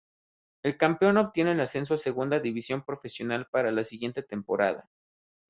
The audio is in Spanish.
El campeón obtiene el ascenso a Segunda División Profesional para la siguiente temporada.